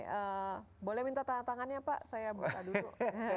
oke boleh minta tanda tangannya pak saya buka dulu